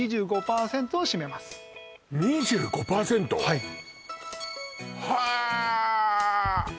はいへえ！